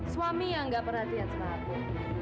suami yang gak perhatian sama aku